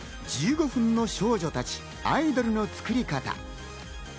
『１５分の少女たち‐アイドルのつくりかた‐』。